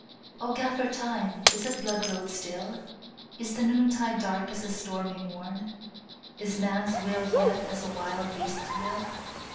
" O Gaffer Time, is it blood road still? Is the noontide dark as the stormy morn? Is man s will yet as a wild beast s will?